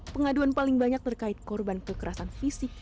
pengaduan paling banyak terkait korban kekerasan fisik